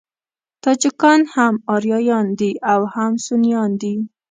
تاجکان هم آریایان دي او هم سنيان دي.